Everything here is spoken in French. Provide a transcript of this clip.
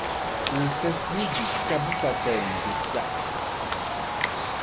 C'est le chef-lieu du kabupaten de Siak.